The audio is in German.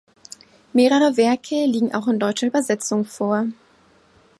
Mehrere Werke liegen auch in deutscher Übersetzung vor.